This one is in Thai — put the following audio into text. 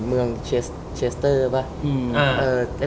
เมืองเชสเตอร์ป่ะ